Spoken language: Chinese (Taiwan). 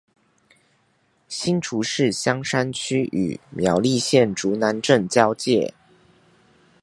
新竹市香山區與苗栗縣竹南鎮交界